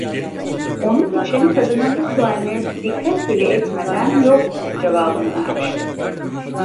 Onun için kadının bu sualine dikkat bile etmeden "yok!" cevabını vermiştim.